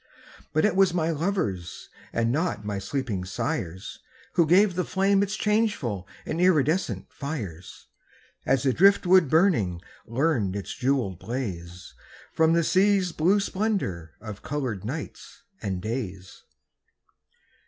But it was my lovers, And not my sleeping sires, Who gave the flame its changeful And iridescent fires; As the driftwood burning Learned its jewelled blaze From the sea's blue splendor Of colored nights and days.